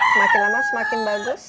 semakin lama semakin bagus